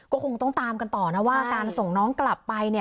ก็คงต้องตามกันต่อนะว่าการส่งน้องกลับไป